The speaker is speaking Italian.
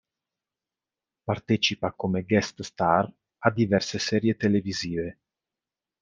Partecipa come guest-star a diverse serie televisive.